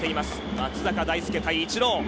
松坂大輔対イチロー。